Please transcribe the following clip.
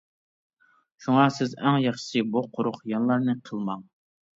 شۇڭا سىز ئەڭ ياخشىسى بۇ قۇرۇق خىياللارنى قىلماڭ.